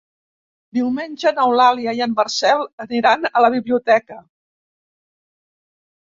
Diumenge n'Eulàlia i en Marcel aniran a la biblioteca.